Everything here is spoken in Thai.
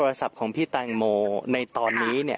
ทานายก็เปิดไม่ได้ก็ไม่มีรหัส